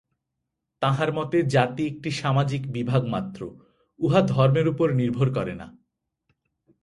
তাঁহার মতে জাতি একটি সামাজিক বিভাগমাত্র, উহা ধর্মের উপর নির্ভর করে না।